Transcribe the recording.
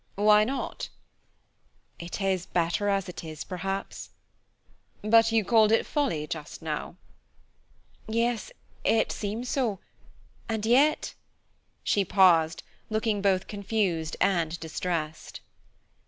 "Why not?" "It is better as it is, perhaps." "But you called it folly just now." "Yes, it seems so, and yet " She paused, looking both confused and distressed.